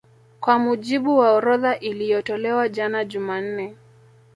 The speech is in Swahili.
Kwa mujibu wa orodha iliyotolewa jana Jumanne